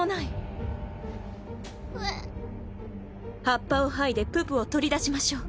葉っぱをいでププを取り出しましょう。